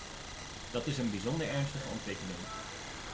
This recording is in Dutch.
Dat is een bijzonder ernstige ontwikkeling.